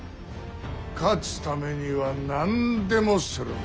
勝つためには何でもするんだ。